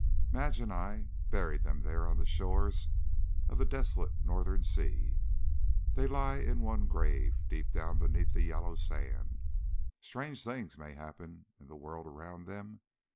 Madge and I buried them there on the shores of the desolate northern sea. They lie in one grave deep down beneath the yellow sand. Strange things may happen in the world around them.